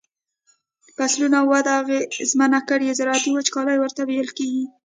فصلونو وده اغیزمنه کړي زراعتی وچکالی ورته ویل کیږي.